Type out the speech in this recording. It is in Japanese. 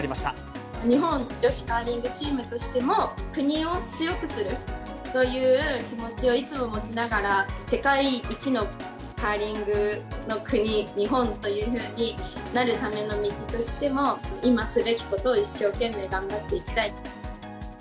日本女子カーリングチームとしても、国を強くするという気持ちをいつも持ちながら、世界一のカーリングの国、日本というふうになるための道としても、今すべきことを一生懸命頑張っていきたい。